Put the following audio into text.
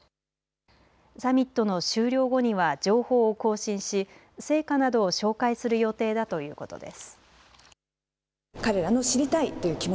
サミットの終了後には情報を更新し成果などを紹介する予定だということです。